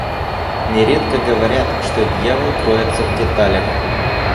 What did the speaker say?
Нередко говорят, что дьявол кроется в деталях.